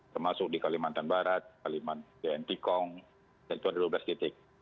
termasuk di kalimantan barat kalimantan itu ada dua belas titik